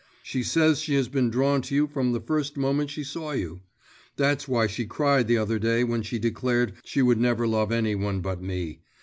She says she has been drawn to you from the first moment she saw you. That's why she cried the other day when she declared she would never love any one but me.